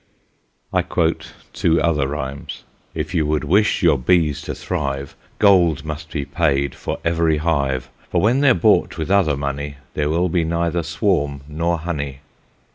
I quote two other rhymes: If you would wish your bees to thrive Gold must be paid for every hive; For when they're bought with other money There will be neither swarm nor honey.